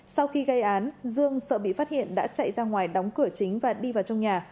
sau khi gây án dương sợ bị phát hiện đã chạy ra ngoài đóng cửa chính và đi vào trong nhà